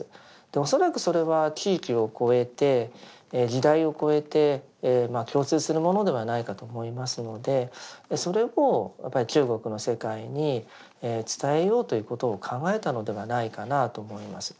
恐らくそれは地域を超えて時代を超えて共通するものではないかと思いますのでそれをやっぱり中国の世界に伝えようということを考えたのではないかなあと思います。